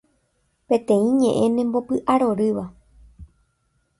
Peteĩ ñe'ẽ nembopy'arorýva